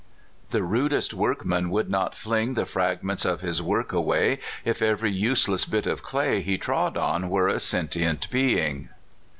The rudest workman would not fling The fragments of his work away, If every useless bit of clay lie trod on were a sentient thing.